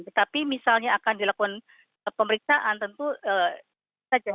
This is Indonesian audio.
tetapi misalnya akan dilakukan pemeriksaan tentu saja